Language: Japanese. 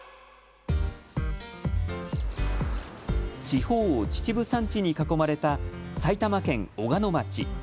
四方を秩父山地に囲まれた埼玉県小鹿野町。